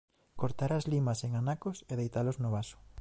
Cortar as limas en anacos e deitalos no vaso.